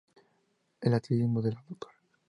El ateísmo de la Dra.